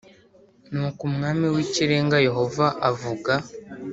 ni ko Umwami w Ikirenga Yehova avuga